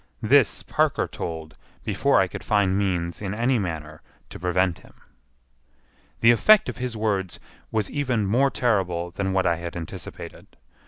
This Parker told before I could find means in any manner to prevent him. The effect of his words was even more terrible than what I had anticipated.